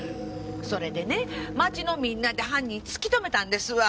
それでね町のみんなで犯人突き止めたんですわ。